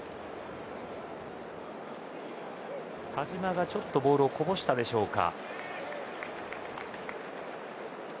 田嶋がちょっとボールをこぼしたでしょうか。